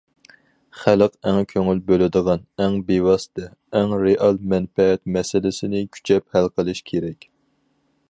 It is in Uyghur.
خەلق ئەڭ كۆڭۈل بۆلىدىغان، ئەڭ بىۋاسىتە، ئەڭ رېئال مەنپەئەت مەسىلىسىنى كۈچەپ ھەل قىلىش كېرەك.